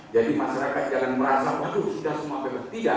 jadi masyarakat jangan merasa aduh sudah semua bebas tidak